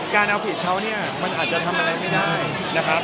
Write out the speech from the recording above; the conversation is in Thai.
การเอาผิดเขาเนี่ยมันอาจจะทำอะไรไม่ได้นะครับ